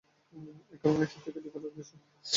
এ কারণে এসব প্যাকেজের খরচও বেশি।